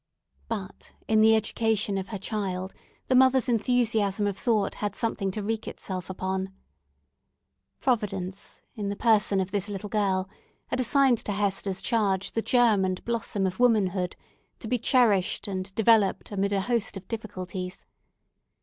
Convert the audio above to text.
But, in the education of her child, the mother's enthusiasm of thought had something to wreak itself upon. Providence, in the person of this little girl, had assigned to Hester's charge, the germ and blossom of womanhood, to be cherished and developed amid a host of difficulties.